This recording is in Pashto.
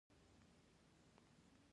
آزاد تجارت مهم دی ځکه چې رقابت رامنځته کوي.